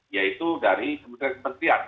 yaitu dari kementerian kementerian